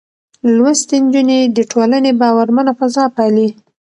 لوستې نجونې د ټولنې باورمنه فضا پالي.